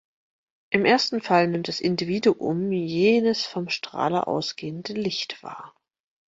Im ersten Falle nimmt das „Individuum“ jenes vom Strahler ausgehende Licht wahr.